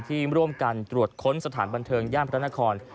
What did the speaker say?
ที่ร่วมกันตรวจค้นสถานบันเทิงย่านพระนคร